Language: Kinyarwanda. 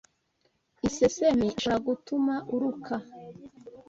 isesemi ishobora gutuma uruka